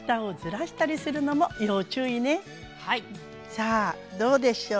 さあどうでしょう？